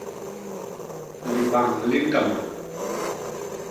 Libañ li ñkandô.